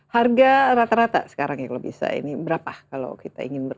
harga rata rata sekarang ya kalau bisa ini berapa kalau kita ingin ber